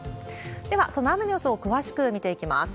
では、その雨の予想を詳しく見ていきます。